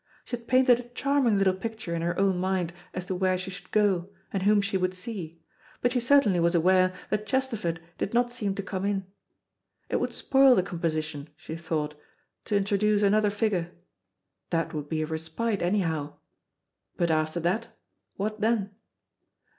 She had painted a charming little picture in her own mind as to where she should go, and whom she would see, but she certainly was aware that Chesterford did not seem to come in. It would spoil the composition, she thought, to introduce another figure. That would be a respite, anyhow. But after that, what then?